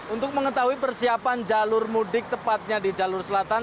untuk mengetahui persiapan jalur mudik tepatnya di jalur selatan